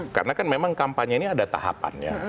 karena kan memang kampanye ini ada tahapannya